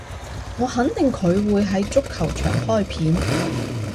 我肯定佢會喺足球場開片